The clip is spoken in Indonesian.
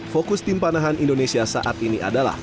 fokus tim panahan indonesia saat ini adalah